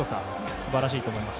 素晴らしいと思います。